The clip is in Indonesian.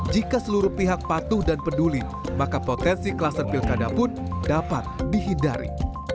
jika seluruh pihak patuh dan peduli maka potensi kluster pilkada pun dapat dihindari